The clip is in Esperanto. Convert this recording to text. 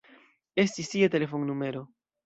Estis tie telefonnumero.